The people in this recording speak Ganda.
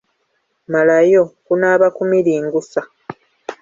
Malayo: Kunaaba kumiringusa, ….